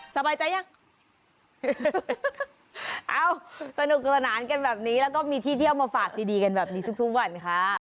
สบายใจยังเอ้าสนุกสนานกันแบบนี้แล้วก็มีที่เที่ยวมาฝากดีดีกันแบบนี้ทุกทุกวันค่ะ